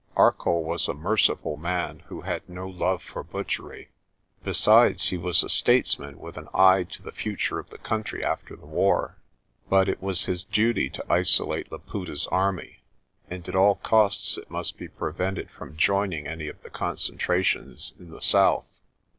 Arcoll was a merciful man who had no love for butchery; besides, he was a statesman with an eye to the future of the country after the war. But it was his duty to isolate Laputa's army, and at all costs it must be prevented from joining any of the concentrations in the south.